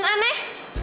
aduh apaan nih